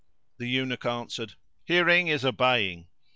The Eunuch answered, "Hearing is obeying!"